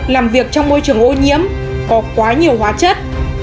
làm việc trong môi trường ô nhiễm có quá nhiều hóa chất